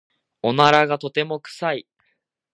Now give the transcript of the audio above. おならがとても臭い。